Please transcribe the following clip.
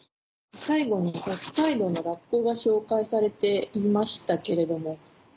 最後に北海道のラッコが紹介されていましたけれども。